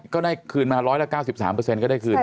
ก็ได้คืนมา๑๙๓ก็ได้คืน